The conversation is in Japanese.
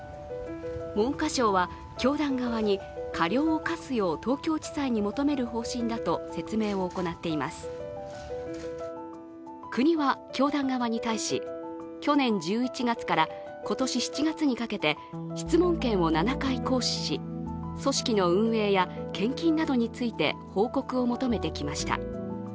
文科省は教団側に過料を科すよう東京地裁に求める方針だと説明を行っています国は教団側に対し、去年１１月から今年７月にかけて質問権を７回行使し、組織の運営や献金などについて報告を求めてきました。